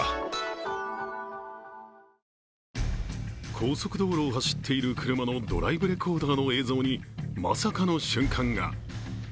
高速道路を走っている車のドライブレコーダーの映像にまさかの瞬間が。